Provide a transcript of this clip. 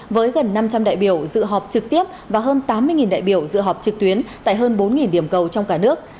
với gần năm trăm linh đại biểu dự họp trực tiếp và hơn tám mươi đại biểu dự họp trực tuyến tại hơn bốn điểm cầu trong cả nước